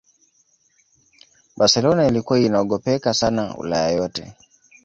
Barcelona ilikuwa inaogopeka sana ulaya yote